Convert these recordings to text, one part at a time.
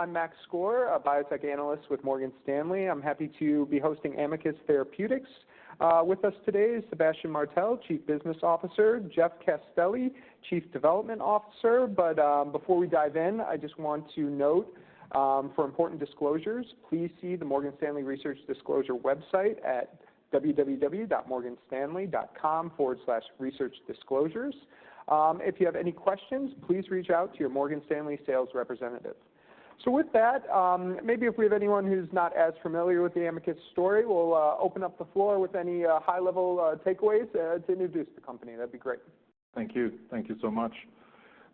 I'm Max Skor, a biotech analyst with Morgan Stanley. I'm happy to be hosting Amicus Therapeutics. With us today: Sébastien Martel, Chief Business Officer; Jeff Castelli, Chief Development Officer. But before we dive in, I just want to note for important disclosures, please see the Morgan Stanley Research Disclosure website at www.morganstanley.com/researchdisclosures. If you have any questions, please reach out to your Morgan Stanley sales representative. So with that, maybe if we have anyone who's not as familiar with the Amicus story, we'll open up the floor with any high-level takeaways to introduce the company. That'd be great. Thank you. Thank you so much.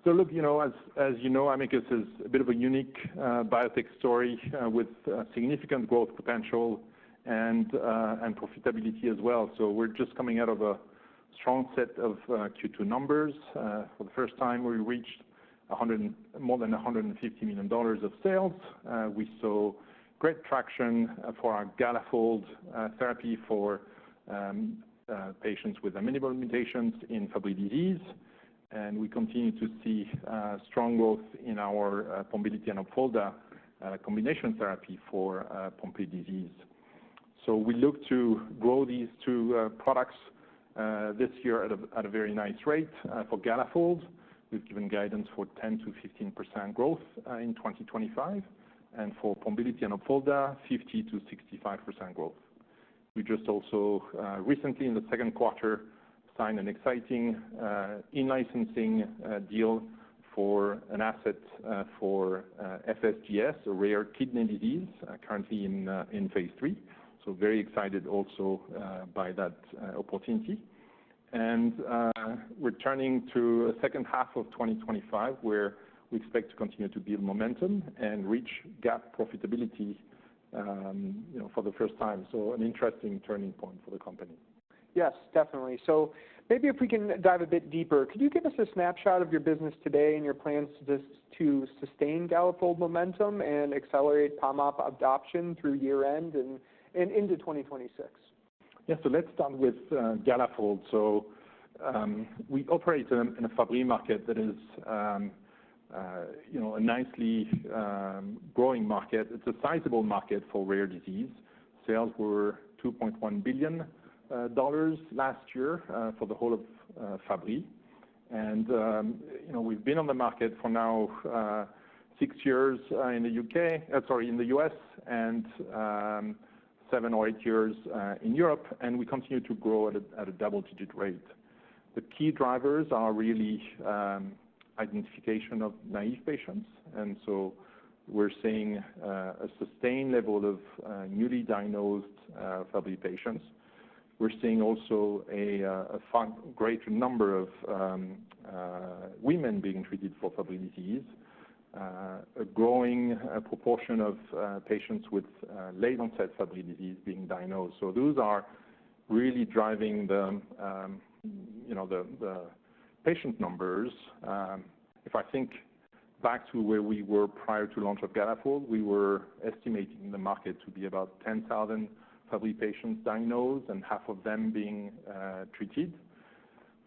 So look, you know, as you know, Amicus is a bit of a unique biotech story with significant growth potential and profitability as well. So we're just coming out of a strong set of Q2 numbers. For the first time, we reached more than $150 million of sales. We saw great traction for our Galafold therapy for patients with amenable mutations in Fabry disease. And we continue to see strong growth in our Pombiliti and Opfolda combination therapy for Pompe disease. So we look to grow these two products this year at a very nice rate. For Galafold, we've given guidance for 10%-15% growth in 2025. And for Pombiliti and Opfolda, 50%-65% growth. We just also recently, in the second quarter, signed an exciting in-licensing deal for an asset for FSGS, a rare kidney disease, currently in phase III. So very excited also by that opportunity. And we're turning to the second half of 2025, where we expect to continue to build momentum and reach GAAP profitability for the first time. So an interesting turning point for the company. Yes, definitely. So maybe if we can dive a bit deeper, could you give us a snapshot of your business today and your plans to sustain Galafold momentum and accelerate Pombiliti adoption through year-end and into 2026? Yeah, so let's start with Galafold. So we operate in a Fabry market that is a nicely growing market. It's a sizable market for rare disease. Sales were $2.1 billion last year for the whole of Fabry. And we've been on the market for now six years in the U.K., sorry, in the U.S., and seven or eight years in Europe. And we continue to grow at a double-digit rate. The key drivers are really identification of naive patients. And so we're seeing a sustained level of newly diagnosed Fabry patients. We're seeing also a greater number of women being treated for Fabry disease, a growing proportion of patients with late-onset Fabry disease being diagnosed. So those are really driving the patient numbers. If I think back to where we were prior to the launch of Galafold, we were estimating the market to be about 10,000 Fabry patients diagnosed and half of them being treated.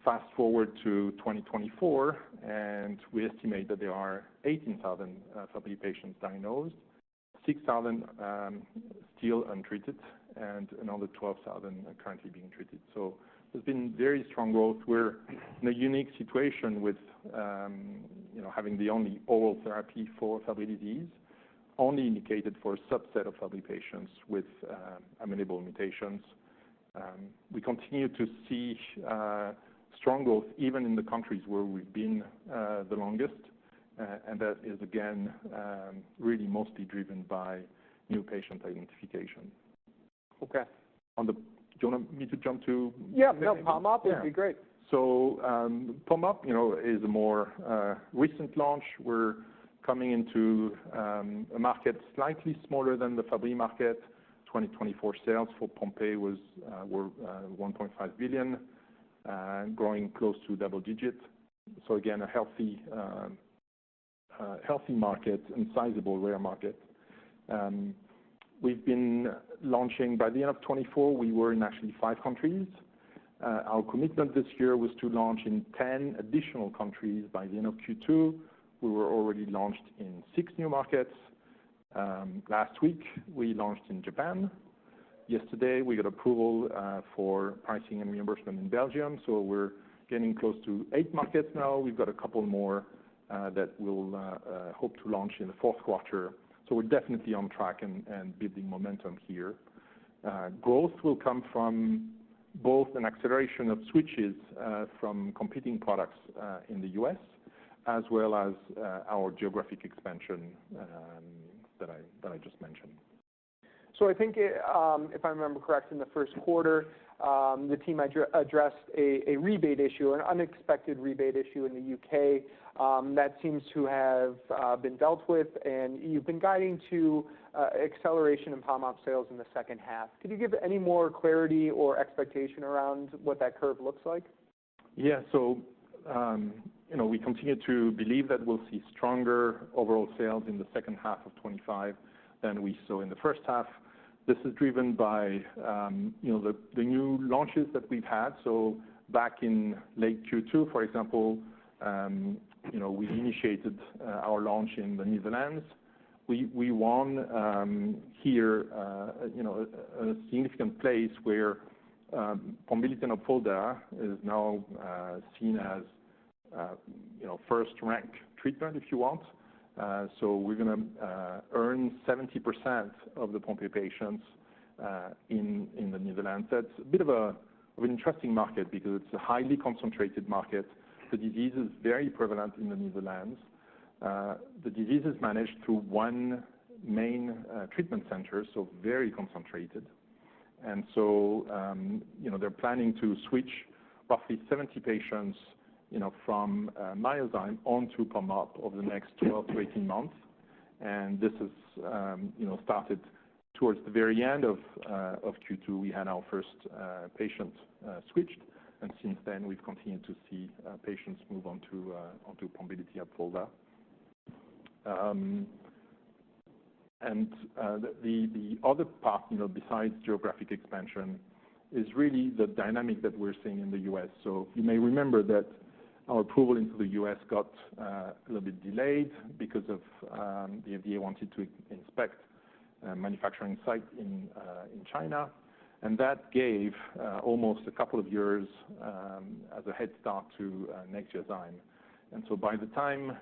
Fast forward to 2024, and we estimate that there are 18,000 Fabry patients diagnosed, 6,000 still untreated, and another 12,000 currently being treated. So there's been very strong growth. We're in a unique situation with having the only oral therapy for Fabry disease, only indicated for a subset of Fabry patients with amenable mutations. We continue to see strong growth even in the countries where we've been the longest. That is, again, really mostly driven by new patient identification. Okay. Do you want me to jump to? Yeah, no, Pombiliti would be great. Pombiliti is a more recent launch. We're coming into a market slightly smaller than the Fabry market. 2024 sales for Pompe were $1.5 billion, growing close to double-digit. Again, a healthy market and sizable rare market. We've been launching by the end of 2024. We were in actually five countries. Our commitment this year was to launch in 10 additional countries by the end of Q2. We were already launched in six new markets. Last week, we launched in Japan. Yesterday, we got approval for pricing and reimbursement in Belgium. We're getting close to eight markets now. We've got a couple more that we'll hope to launch in the fourth quarter. We're definitely on track and building momentum here. Growth will come from both an acceleration of switches from competing products in the U.S., as well as our geographic expansion that I just mentioned. I think, if I remember correctly, in the first quarter, the team addressed a rebate issue, an unexpected rebate issue in the U.K. that seems to have been dealt with. And you've been guiding to acceleration in Pombiliti sales in the second half. Could you give any more clarity or expectation around what that curve looks like? Yeah, so we continue to believe that we'll see stronger overall sales in the second half of 2025 than we saw in the first half. This is driven by the new launches that we've had, so back in late Q2, for example, we initiated our launch in the Netherlands. We won here a significant place where Pombiliti and Opfolda is now seen as first-rank treatment, if you want. So we're going to earn 70% of the Pompe patients in the Netherlands. That's a bit of an interesting market because it's a highly concentrated market. The disease is very prevalent in the Netherlands. The disease is managed through one main treatment center, so very concentrated, and so they're planning to switch roughly 70 patients from Myozyme onto Pombiliti over the next 12 to 18 months. And this has started towards the very end of Q2. We had our first patient switched. And since then, we've continued to see patients move onto Pombiliti and Opfolda. And the other part, besides geographic expansion, is really the dynamic that we're seeing in the U.S. So you may remember that our approval into the U.S. got a little bit delayed because the FDA wanted to inspect a manufacturing site in China. And that gave almost a couple of years as a head start to Nexviazyme. And so by the time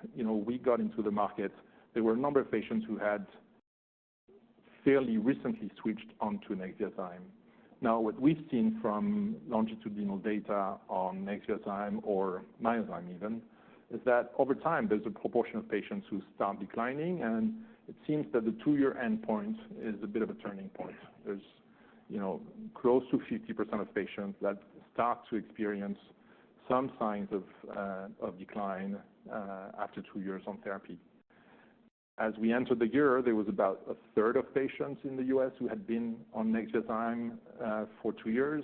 we got into the market, there were a number of patients who had fairly recently switched onto Nexviazyme. Now, what we've seen from longitudinal data on Nexviazyme or Myozyme even is that over time, there's a proportion of patients who start declining. And it seems that the two-year endpoint is a bit of a turning point. There's close to 50% of patients that start to experience some signs of decline after two years on therapy. As we entered the year, there was about a third of patients in the U.S. who had been on Nexviazyme for two years.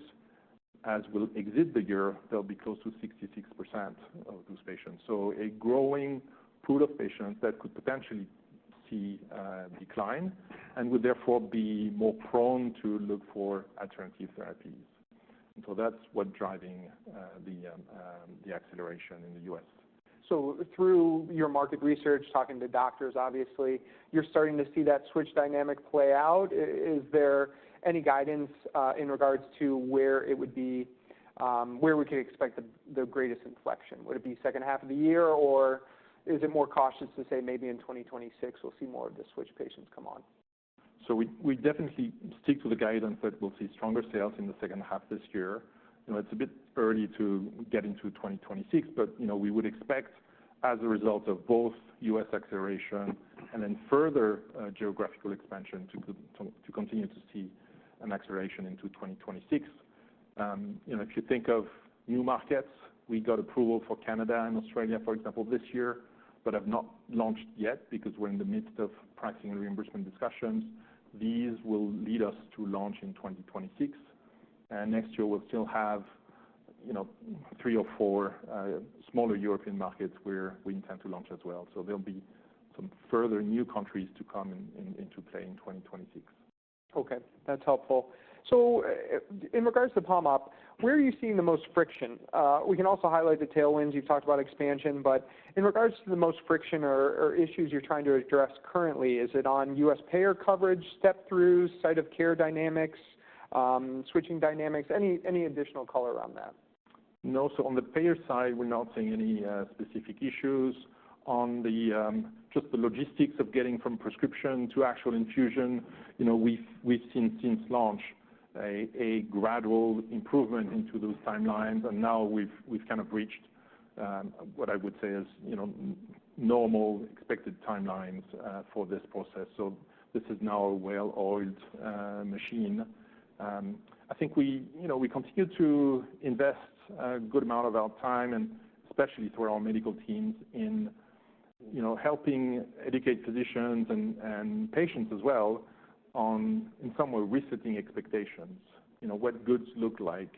As we'll exit the year, there'll be close to 66% of those patients. So a growing pool of patients that could potentially see decline and would therefore be more prone to look for alternative therapies. And so that's what's driving the acceleration in the U.S. So through your market research, talking to doctors, obviously, you're starting to see that switch dynamic play out. Is there any guidance in regards to where we could expect the greatest inflection? Would it be second half of the year, or is it more cautious to say maybe in 2026 we'll see more of the switch patients come on? So we definitely stick to the guidance that we'll see stronger sales in the second half this year. It's a bit early to get into 2026, but we would expect, as a result of both U.S. acceleration and then further geographical expansion, to continue to see an acceleration into 2026. If you think of new markets, we got approval for Canada and Australia, for example, this year, but have not launched yet because we're in the midst of pricing and reimbursement discussions. These will lead us to launch in 2026. And next year, we'll still have three or four smaller European markets where we intend to launch as well. So there'll be some further new countries to come into play in 2026. Okay, that's helpful. So in regards to Pombiliti, where are you seeing the most friction? We can also highlight the tailwinds. You've talked about expansion. But in regards to the most friction or issues you're trying to address currently, is it on U.S. payer coverage, step-throughs, site-of-care dynamics, switching dynamics? Any additional color on that? No, so on the payer side, we're not seeing any specific issues. On just the logistics of getting from prescription to actual infusion, we've seen since launch a gradual improvement into those timelines. And now we've kind of reached what I would say is normal expected timelines for this process. So this is now a well-oiled machine. I think we continue to invest a good amount of our time, and especially through our medical teams, in helping educate physicians and patients as well on, in some way, resetting expectations, what goods look like.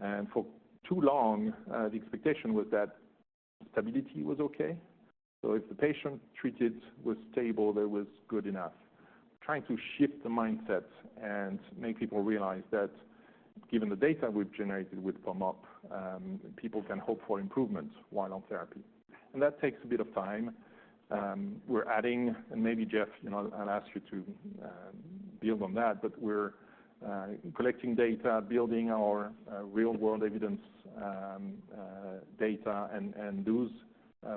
And for too long, the expectation was that stability was okay. So if the patient treated was stable, that was good enough. Trying to shift the mindset and make people realize that given the data we've generated with Pombiliti, people can hope for improvement while on therapy. And that takes a bit of time. We're adding, and maybe, Jeff, I'll ask you to build on that, but we're collecting data, building our real-world evidence data, and those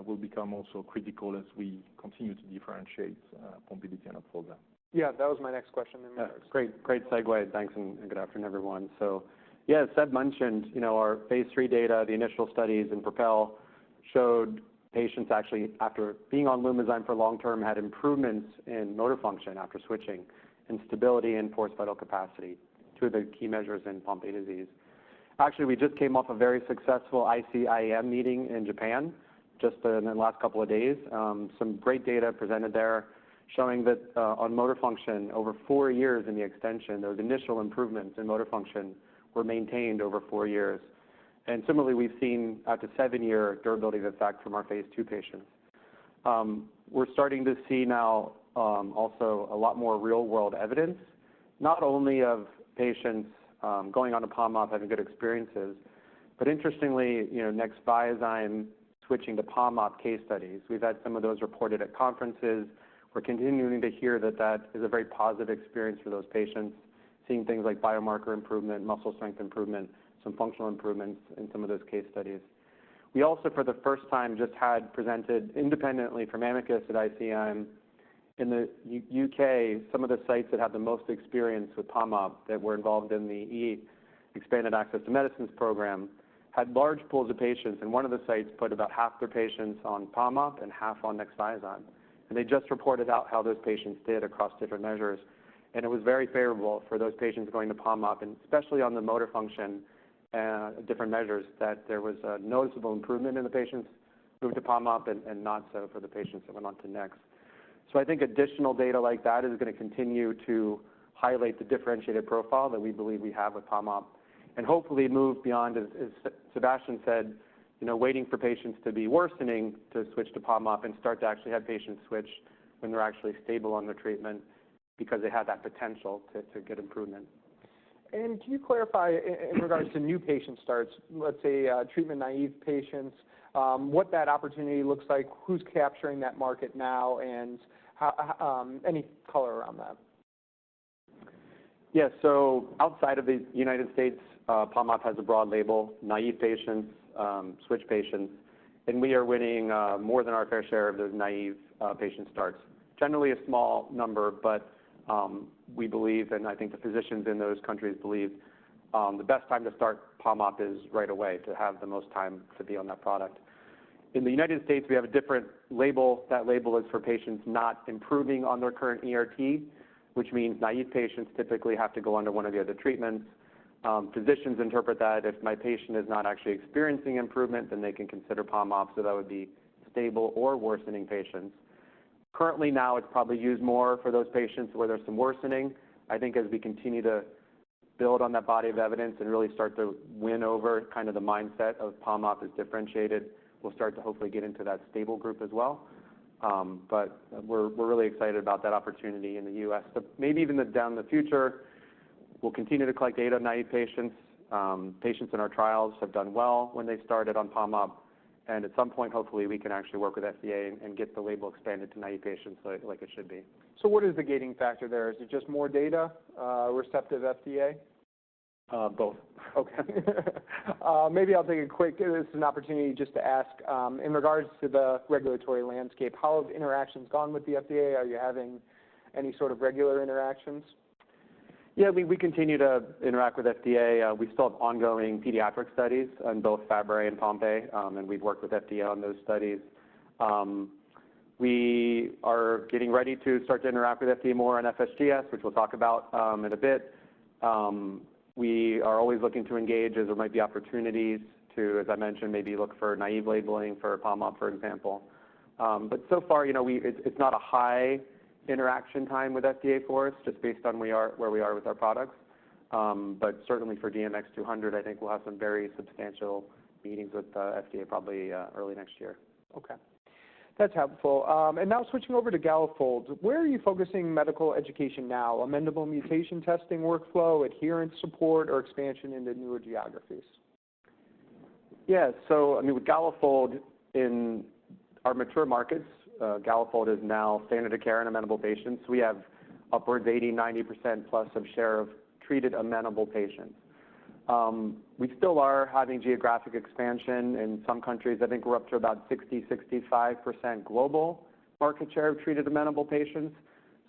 will become also critical as we continue to differentiate Pombiliti and Opfolda. Yeah, that was my next question. Great segue. Thanks and good afternoon, everyone. So yeah, as Seb mentioned, our phase III data, the initial studies in PROPEL showed patients actually, after being on Lumizyme for long-term, had improvements in motor function after switching and stability in forced vital capacity, two of the key measures in Pompe disease. Actually, we just came off a very successful JSIMD meeting in Japan just in the last couple of days. Some great data presented there showing that on motor function, over four years in the extension, those initial improvements in motor function were maintained over four years. And similarly, we've seen up to seven-year durability of effect from our phase two patients. We're starting to see now also a lot more real-world evidence, not only of patients going on to Pombiliti having good experiences, but interestingly, Nexviazyme switching to Pombiliti case studies. We've had some of those reported at conferences. We're continuing to hear that that is a very positive experience for those patients, seeing things like biomarker improvement, muscle strength improvement, some functional improvements in some of those case studies. We also, for the first time, just had presented independently from Amicus at IEM in the U.K., some of the sites that had the most experience with Pombiliti that were involved in the Early Access to Medicines program had large pools of patients. And one of the sites put about half their patients on Pombiliti and half on Nexviazyme. And they just reported out how those patients did across different measures. It was very favorable for those patients going to Pombiliti, and especially on the motor function and different measures, that there was a noticeable improvement in the patients' move to Pombiliti and not so for the patients that went on to Nexviazyme. So I think additional data like that is going to continue to highlight the differentiated profile that we believe we have with Pombiliti and hopefully move beyond, as Sébastien said, waiting for patients to be worsening to switch to Pombiliti and start to actually have patients switch when they're actually stable on their treatment because they have that potential to get improvement. Can you clarify in regards to new patient starts, let's say treatment naive patients, what that opportunity looks like, who's capturing that market now, and any color around that? Yeah, so outside of the United States, Pombiliti has a broad label, naive patients, switch patients. And we are winning more than our fair share of those naive patient starts. Generally a small number, but we believe, and I think the physicians in those countries believe, the best time to start Pombiliti is right away to have the most time to be on that product. In the United States, we have a different label. That label is for patients not improving on their current ERT, which means naive patients typically have to go under one of the other treatments. Physicians interpret that if my patient is not actually experiencing improvement, then they can consider Pombiliti. So that would be stable or worsening patients. Currently now, it is probably used more for those patients where there is some worsening. I think as we continue to build on that body of evidence and really start to win over kind of the mindset of Pombiliti is differentiated, we'll start to hopefully get into that stable group as well. But we're really excited about that opportunity in the U.S. Maybe even in the future, we'll continue to collect data on naive patients. Patients in our trials have done well when they started on Pombiliti. And at some point, hopefully, we can actually work with FDA and get the label expanded to naive patients like it should be. So what is the gating factor there? Is it just more data, receptive FDA? Both. Okay. Maybe I'll take a quick, this is an opportunity just to ask, in regards to the regulatory landscape, how have interactions gone with the FDA? Are you having any sort of regular interactions? Yeah, we continue to interact with FDA. We still have ongoing pediatric studies on both Fabry and Pompe, and we've worked with FDA on those studies. We are getting ready to start to interact with FDA more on FSGS, which we'll talk about in a bit. We are always looking to engage as there might be opportunities to, as I mentioned, maybe look for naive labeling for Pombiliti, for example. But so far, it's not a high interaction time with FDA for us, just based on where we are with our products. But certainly for DMX-200, I think we'll have some very substantial meetings with FDA probably early next year. Okay, that's helpful. And now switching over to Galafold, where are you focusing medical education now? Amenable mutation testing workflow, adherence support, or expansion into newer geographies? Yeah, so I mean, with Galafold in our mature markets, Galafold is now standard of care in amenable patients. We have upwards of 80%-90% plus of share of treated amenable patients. We still are having geographic expansion in some countries. I think we're up to about 60%-65% global market share of treated amenable patients.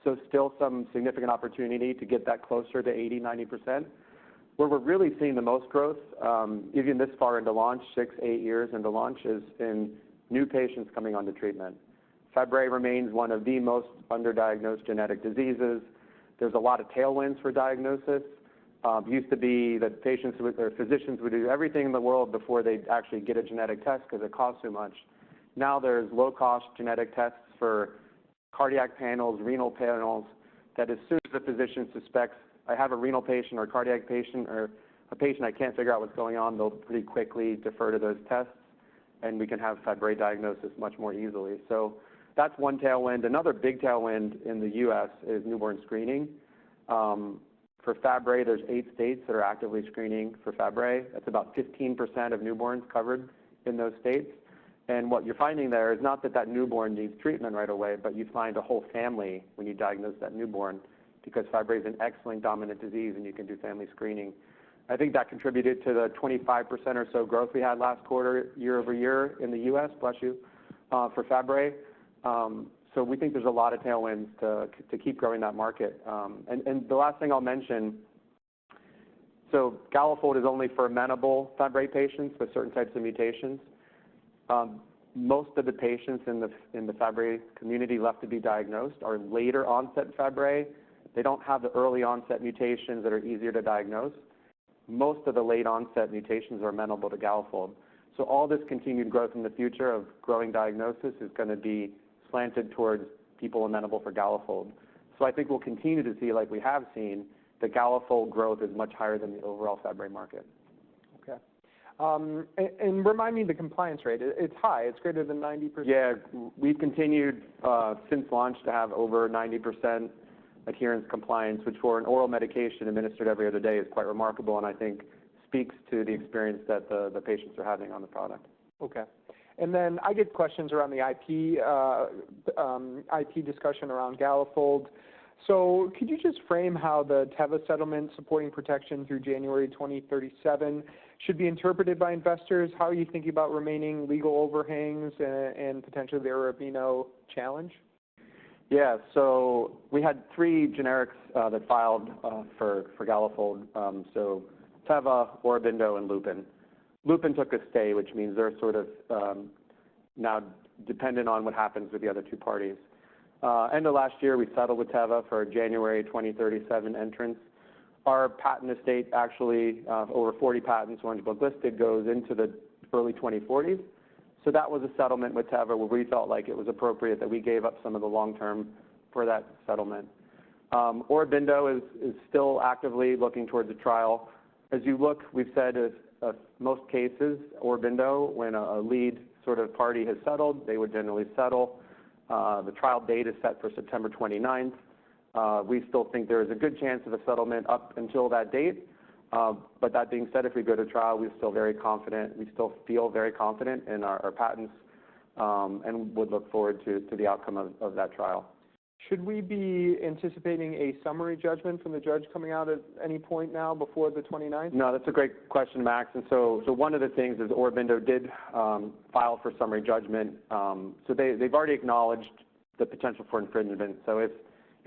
So still some significant opportunity to get that closer to 80%-90%. Where we're really seeing the most growth, even this far into launch, six to eight years into launch, is in new patients coming on to treatment. Fabry remains one of the most underdiagnosed genetic diseases. There's a lot of tailwinds for diagnosis. It used to be that patients or physicians would do everything in the world before they'd actually get a genetic test because it costs too much. Now there's low-cost genetic tests for cardiac panels, renal panels that as soon as the physician suspects I have a renal patient or a cardiac patient or a patient I can't figure out what's going on, they'll pretty quickly defer to those tests. And we can have Fabry diagnosis much more easily. So that's one tailwind. Another big tailwind in the U.S. is newborn screening. For Fabry, there's eight states that are actively screening for Fabry. That's about 15% of newborns covered in those states. And what you're finding there is not that that newborn needs treatment right away, but you find a whole family when you diagnose that newborn because Fabry is an X-linked dominant disease and you can do family screening. I think that contributed to the 25% or so growth we had last quarter year-over-year in the U.S., bless you, for Fabry. So we think there's a lot of tailwinds to keep growing that market. And the last thing I'll mention, so Galafold is only for amenable Fabry patients with certain types of mutations. Most of the patients in the Fabry community left to be diagnosed are later onset Fabry. They don't have the early onset mutations that are easier to diagnose. Most of the late onset mutations are amenable to Galafold. So all this continued growth in the future of growing diagnosis is going to be slanted towards people amenable for Galafold. So I think we'll continue to see, like we have seen, that Galafold growth is much higher than the overall Fabry market. Okay, and remind me the compliance rate. It's high. It's greater than 90%. Yeah, we've continued since launch to have over 90% adherence compliance, which for an oral medication administered every other day is quite remarkable, and I think speaks to the experience that the patients are having on the product. Okay. Then I get questions around the IP discussion around Galafold. Could you just frame how the Teva Settlement supporting protection through January 2037 should be interpreted by investors? How are you thinking about remaining legal overhangs and potentially the Aurobindo challenge? Yeah, so we had three generics that filed for Galafold, so Teva, Aurobindo, and Lupin. Lupin took a stay, which means they're sort of now dependent on what happens with the other two parties. End of last year, we settled with Teva for a January 2037 entrance. Our patent estate, actually over 40 patents go into publicly listed, goes into the early 2040s. So that was a settlement with Teva where we felt like it was appropriate that we gave up some of the long term for that settlement. Aurobindo is still actively looking towards a trial. As you look, we've said of most cases, Aurobindo, when a lead sort of party has settled, they would generally settle. The trial date is set for September 29th. We still think there is a good chance of a settlement up until that date. But that being said, if we go to trial, we're still very confident. We still feel very confident in our patents and would look forward to the outcome of that trial. Should we be anticipating a summary judgment from the judge coming out at any point now before the 29th? No, that's a great question, Max. And so one of the things is Aurobindo did file for summary judgment. So they've already acknowledged the potential for infringement. So if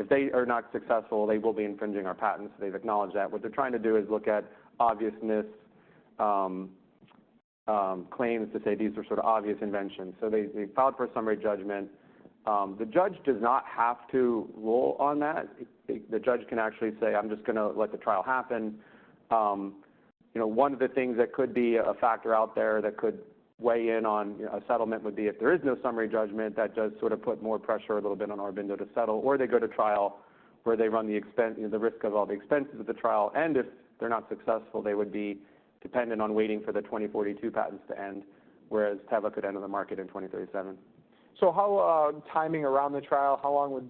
they are not successful, they will be infringing our patents. They've acknowledged that. What they're trying to do is look at obviousness claims to say these were sort of obvious inventions. So they filed for a summary judgment. The judge does not have to rule on that. The judge can actually say, "I'm just going to let the trial happen." One of the things that could be a factor out there that could weigh in on a settlement would be if there is no summary judgment, that does sort of put more pressure a little bit on Aurobindo to settle. Or they go to trial where they run the risk of all the expenses of the trial. If they're not successful, they would be dependent on waiting for the 2042 patents to end, whereas Teva could enter the market in 2037. how's the timing around the trial? How long would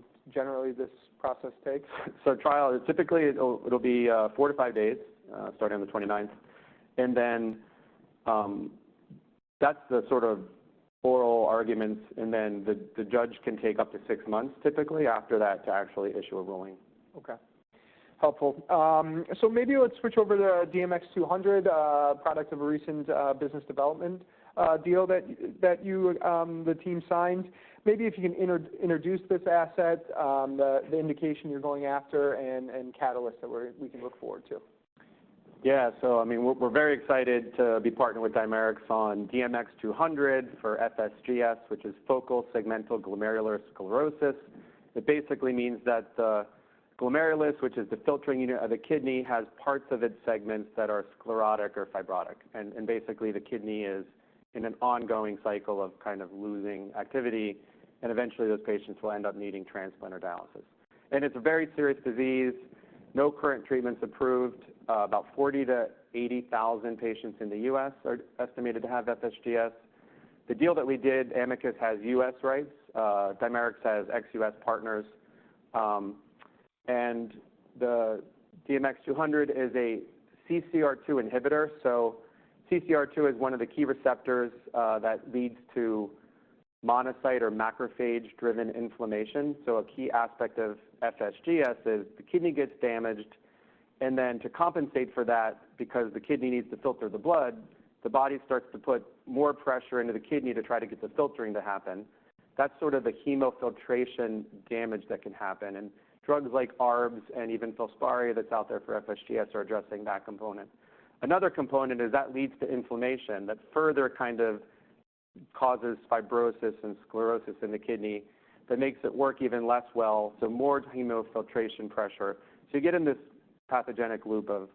this process generally take? So trial, typically it'll be four to five days starting on the 29th. And then that's the sort of oral arguments. And then the judge can take up to six months typically after that to actually issue a ruling. Okay, helpful. So maybe let's switch over to DMX-200, a product of a recent business development deal that the team signed. Maybe if you can introduce this asset, the indication you're going after and catalysts that we can look forward to. Yeah, so I mean, we're very excited to be partnered with Dimerix on DMX-200 for FSGS, which is focal segmental glomerular sclerosis. It basically means that the glomerulus, which is the filtering unit of the kidney, has parts of its segments that are sclerotic or fibrotic. And basically the kidney is in an ongoing cycle of kind of losing activity. And eventually those patients will end up needing transplant or dialysis. And it's a very serious disease. No current treatments approved. About 40,000-80,000 patients in the U.S. are estimated to have FSGS. The deal that we did, Amicus has U.S. rights. Dimerix has ex-U.S. partners. And the DMX-200 is a CCR2 inhibitor. So CCR2 is one of the key receptors that leads to monocyte or macrophage-driven inflammation. So a key aspect of FSGS is the kidney gets damaged. And then to compensate for that, because the kidney needs to filter the blood, the body starts to put more pressure into the kidney to try to get the filtering to happen. That's sort of the hyperfiltration damage that can happen. And drugs like ARBs and even Filspari that's out there for FSGS are addressing that component. Another component is that leads to inflammation that further kind of causes fibrosis and sclerosis in the kidney that makes it work even less well. So more hyperfiltration pressure. So you get in this pathogenic loop of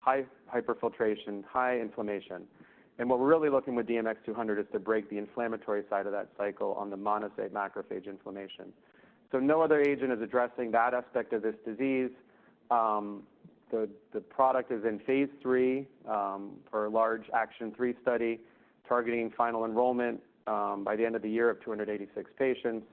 high hyperfiltration, high inflammation. And what we're really looking with DMX-200 is to break the inflammatory side of that cycle on the monocyte macrophage inflammation. So no other agent is addressing that aspect of this disease. The product is in phase III for the ACTION3 study targeting final enrollment by the end of the year of 286 patients.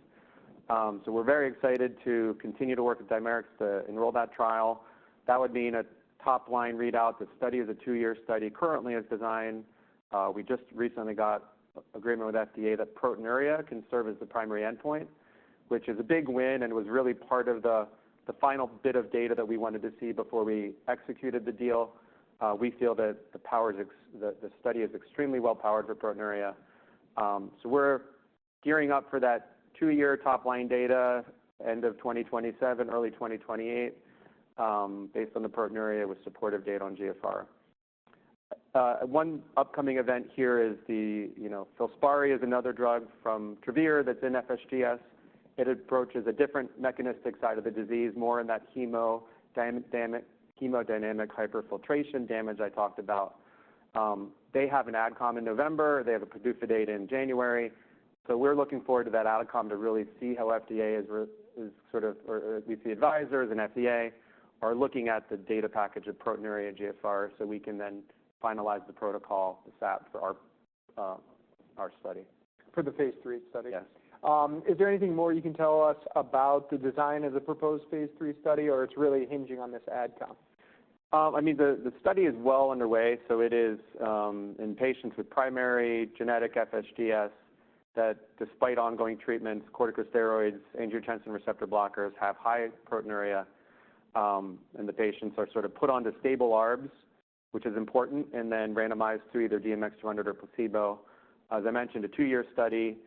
We're very excited to continue to work with Dimerix to enroll that trial. That would mean a top-line readout. The study is a two-year study currently as designed. We just recently got agreement with FDA that proteinuria can serve as the primary endpoint, which is a big win and was really part of the final bit of data that we wanted to see before we executed the deal. We feel that the power is, the study is extremely well powered for proteinuria. We're gearing up for that two-year top-line data end of 2027, early 2028, based on the proteinuria with supportive data on GFR. One upcoming event here is Filspari, another drug from Travere that's in FSGS. It approaches a different mechanistic side of the disease, more in that hemodynamic hyperfiltration damage I talked about. They have an AdCom in November. They have a PDUFA date in January. So we're looking forward to that AdCom to really see how FDA is sort of, or we see advisors and FDA are looking at the data package of proteinuria and GFR so we can then finalize the protocol, the SAP, for our study. For the phase III study. Yes. Is there anything more you can tell us about the design of the proposed phase III study or it's really hinging on this AdCom? I mean, the study is well underway. So it is in patients with primary genetic FSGS that despite ongoing treatments, corticosteroids, angiotensin receptor blockers have high proteinuria. The patients are sort of put on to stable ARBs, which is important, and then randomized to either DMX-200 or placebo. As I mentioned, a two-year study,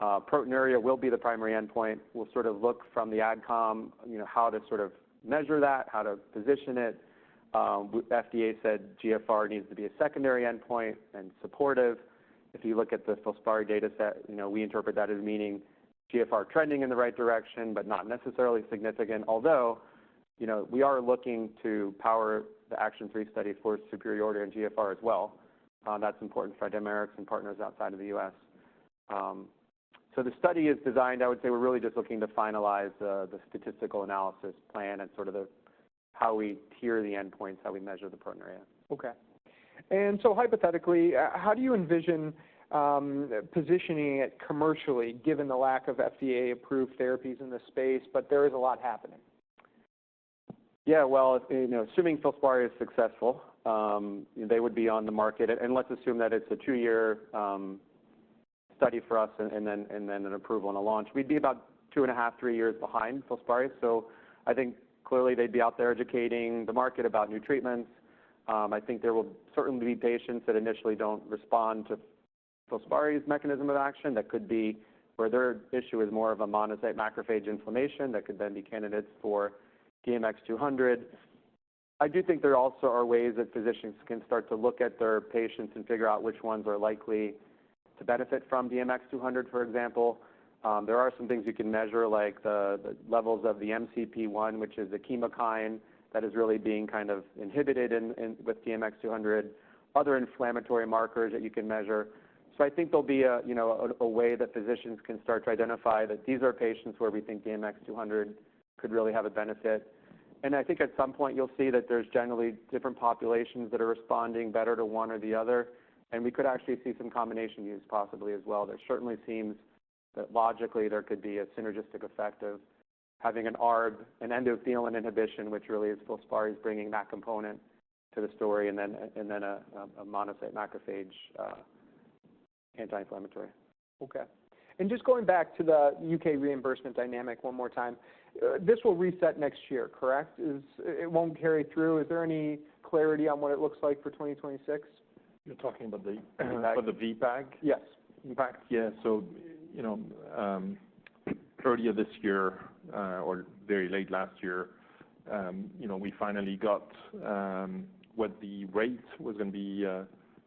proteinuria will be the primary endpoint. We'll sort of look from the AdCom how to sort of measure that, how to position it. FDA said GFR needs to be a secondary endpoint and supportive. If you look at the Filspari data set, we interpret that as meaning GFR trending in the right direction, but not necessarily significant. Although we are looking to power the phase III study for superiority in GFR as well. That's important for Dimerix and partners outside of the U.S.. The study is designed. I would say we're really just looking to finalize the statistical analysis plan and sort of how we tier the endpoints, how we measure the proteinuria. Okay. And so hypothetically, how do you envision positioning it commercially given the lack of FDA-approved therapies in the space, but there is a lot happening? Yeah, well, assuming Filspari is successful, they would be on the market. Let's assume that it's a two-year study for us and then an approval on a launch. We'd be about two and a half, three years behind Filspari. I think clearly they'd be out there educating the market about new treatments. I think there will certainly be patients that initially don't respond to Filspari's mechanism of action that could be where their issue is more of a monocyte macrophage inflammation that could then be candidates for DMX-200. I do think there also are ways that physicians can start to look at their patients and figure out which ones are likely to benefit from DMX-200, for example. There are some things you can measure like the levels of the MCP-1, which is the chemokine that is really being kind of inhibited with DMX-200. Other inflammatory markers that you can measure. I think there'll be a way that physicians can start to identify that these are patients where we think DMX-200 could really have a benefit. And I think at some point you'll see that there's generally different populations that are responding better to one or the other. And we could actually see some combination use possibly as well. There certainly seems that logically there could be a synergistic effect of having an ARB, an endothelin inhibition, which really is Filspari bringing that component to the story and then a monocyte macrophage anti-inflammatory. Okay. And just going back to the U.K. reimbursement dynamic one more time. This will reset next year, correct? It won't carry through. Is there any clarity on what it looks like for 2026? You're talking about the VPAG? Yes. Yeah, so earlier this year or very late last year, we finally got what the rate was going to be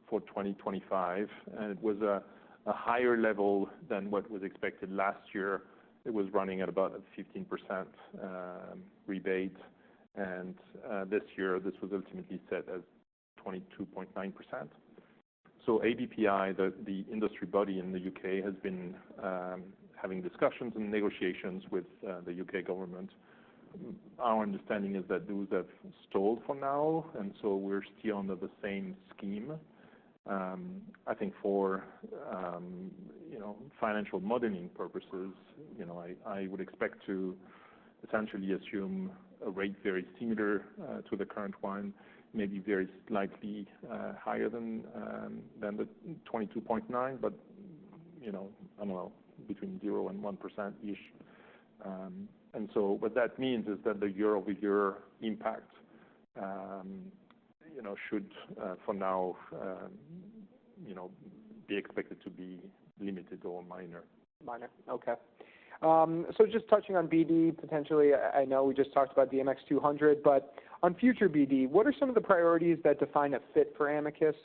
for 2025, and it was a higher level than what was expected last year. It was running at about a 15% rebate, and this year this was ultimately set as 22.9%, so ABPI, the industry body in the U.K., has been having discussions and negotiations with the U.K. government. Our understanding is that those have stalled for now, and so we're still under the same scheme. I think for financial modeling purposes, I would expect to essentially assume a rate very similar to the current one, maybe very slightly higher than the 22.9, but I don't know, between 0% and 1%-ish, and so what that means is that the year-over-year impact should for now be expected to be limited or minor. Okay. So just touching on BD potentially, I know we just talked about DMX-200, but on future BD, what are some of the priorities that define a fit for Amicus?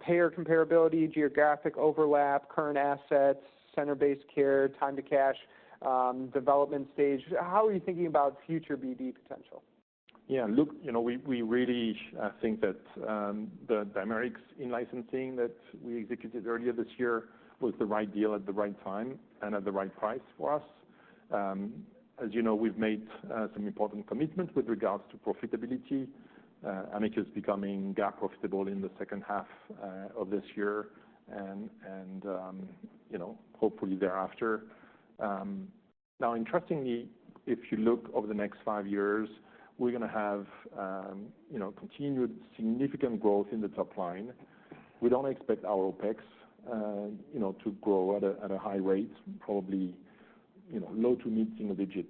Payer comparability, geographic overlap, current assets, center-based care, time to cash, development stage. How are you thinking about future BD potential? Yeah, look, we really think that the Dimerix in-licensing that we executed earlier this year was the right deal at the right time and at the right price for us. As you know, we've made some important commitments with regards to profitability. Amicus is becoming GAAP profitable in the second half of this year and hopefully thereafter. Now, interestingly, if you look over the next five years, we're going to have continued significant growth in the top line. We don't expect our OpEx to grow at a high rate, probably low to mid single digit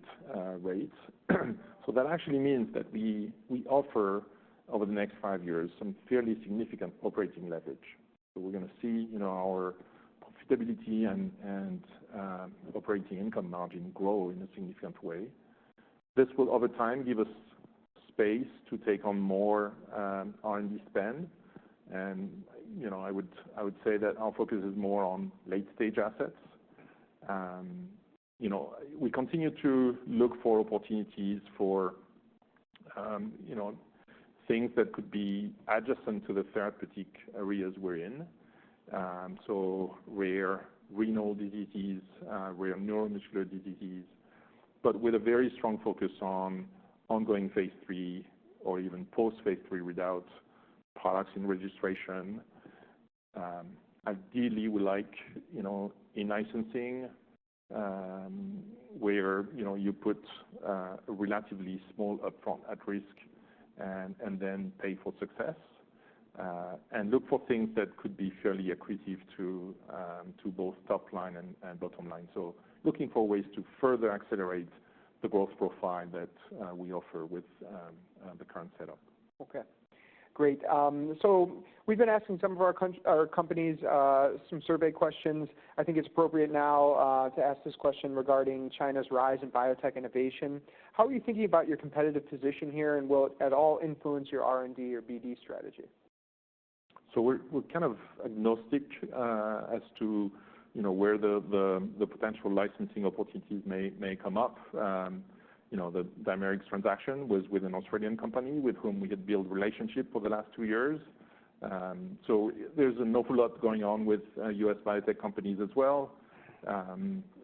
rates. So that actually means that we offer over the next five years some fairly significant operating leverage. So we're going to see our profitability and operating income margin grow in a significant way. This will over time give us space to take on more R&D spend. I would say that our focus is more on late-stage assets. We continue to look for opportunities for things that could be adjacent to the therapeutic areas we're in. So rare renal diseases, rare neuromuscular diseases, but with a very strong focus on ongoing phase III or even post-phase III without products in registration. Ideally, we like in-licensing where you put a relatively small upfront at risk and then pay for success and look for things that could be fairly accretive to both top line and bottom line. So looking for ways to further accelerate the growth profile that we offer with the current setup. Okay. Great, so we've been asking some of our companies some survey questions. I think it's appropriate now to ask this question regarding China's rise in biotech innovation. How are you thinking about your competitive position here and will it at all influence your R&D or BD strategy? So we're kind of agnostic as to where the potential licensing opportunities may come up. The Dimerix transaction was with an Australian company with whom we had built relationship for the last two years. So there's an awful lot going on with U.S. biotech companies as well.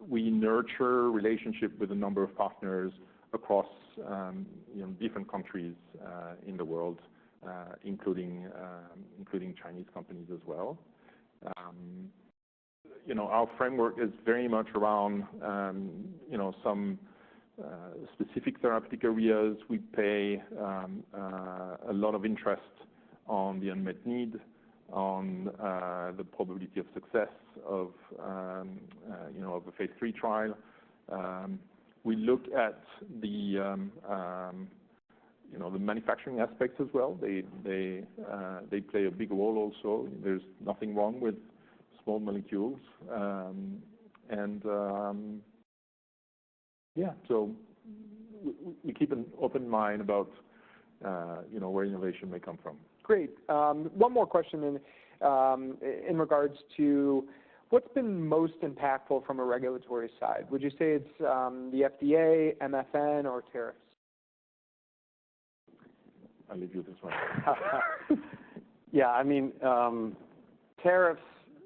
We nurture relationship with a number of partners across different countries in the world, including Chinese companies as well. Our framework is very much around some specific therapeutic areas. We pay a lot of interest on the unmet need, on the probability of success of a phase III trial. We look at the manufacturing aspects as well. They play a big role also. There's nothing wrong with small molecules. And yeah, so we keep an open mind about where innovation may come from. Great. One more question then in regards to what's been most impactful from a regulatory side? Would you say it's the FDA, MFN, or tariffs? I'll leave you this one. Yeah. I mean, tariffs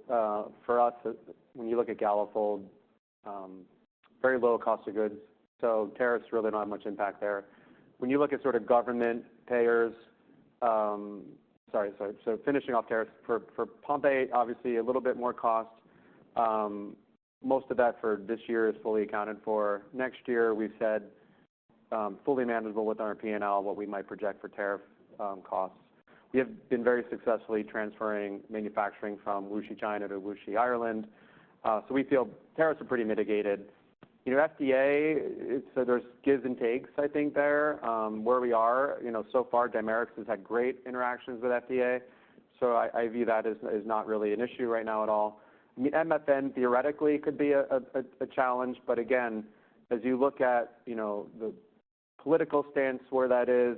for us, when you look at Galafold, very low cost of goods. So tariffs really not much impact there. When you look at sort of government payers, sorry, so finishing off tariffs for Pompe, obviously a little bit more cost. Most of that for this year is fully accounted for. Next year, we've said fully manageable with our P&L what we might project for tariff costs. We have been very successfully transferring manufacturing from WuXi, China to WuXi, Ireland. So we feel tariffs are pretty mitigated. FDA, so there's gives and takes, I think, there. Where we are so far, Dimerix has had great interactions with FDA. So I view that as not really an issue right now at all. MFN theoretically could be a challenge, but again, as you look at the political stance where that is,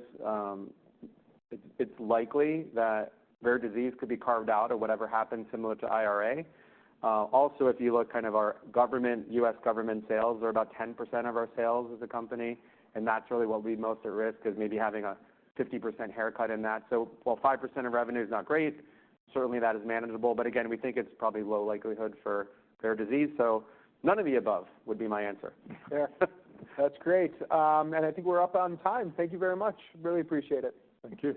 it's likely that rare disease could be carved out or whatever happened similar to IRA. Also, if you look kind of our government, U.S. government sales are about 10% of our sales as a company. And that's really what leads most at risk is maybe having a 50% haircut in that. So while 5% of revenue is not great, certainly that is manageable. But again, we think it's probably low likelihood for rare disease. So none of the above would be my answer. That's great. And I think we're up on time. Thank you very much. Really appreciate it. Thank you.